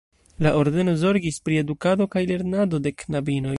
La ordeno zorgis pri edukado kaj lernado de knabinoj.